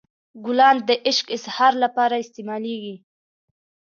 ګلان د عشق اظهار لپاره استعمالیږي.